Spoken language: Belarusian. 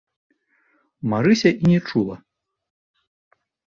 Марыся і не чула.